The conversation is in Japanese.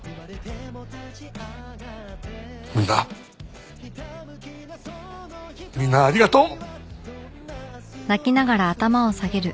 みんなみんなありがとう！